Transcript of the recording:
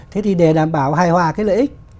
thế thì để đảm bảo hài hòa cái lợi ích